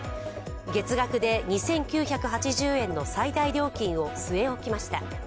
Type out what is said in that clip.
月額で２９８０円の最大料金を据え置きました。